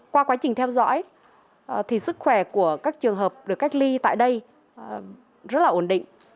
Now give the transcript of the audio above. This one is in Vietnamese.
qua quá trình theo dõi thì sức khỏe của các trường hợp được cách ly tại đây rất là ổn định